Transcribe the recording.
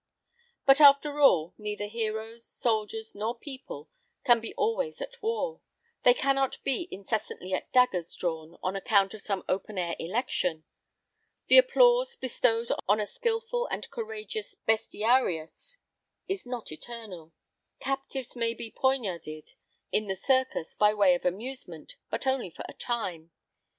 But, after all, neither heroes, soldiers, nor people, can be always at war; they cannot be incessantly at daggers drawn on account of some open air election; the applause bestowed on a skilful and courageous bestiarius is not eternal; captives may be poignarded in the Circus by way of amusement, but only for a time.